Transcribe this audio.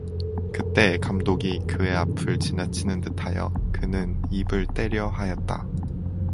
그때 감독이 그의 앞을 지나치는 듯하여 그는 입을 떼려 하였다.